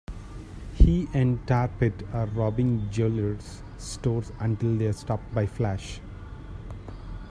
He and Tar Pit are robbing jewelry stores until they are stopped by Flash.